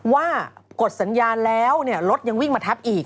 กดสัญญาณแล้วรถยังวิ่งมาทับอีก